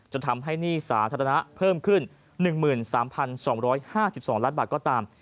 ทำให้หนี้สาธารณะเพิ่มขึ้น๑๓๒๕๒ล้านบาทก็ตาม